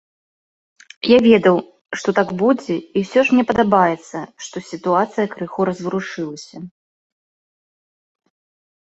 Я ведаў, што так будзе, і ўсё ж мне падабаецца, што сітуацыя крыху разварушылася.